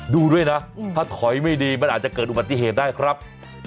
ดูด้วยนะถ้าถอยไม่ดีมันอาจจะเกิดอุบัติเหตุได้ครับ